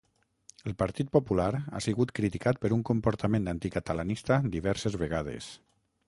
El Partit Popular ha sigut criticat per un comportament anticatalanista diverses vegades.